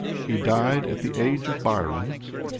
He died at the age of Byron.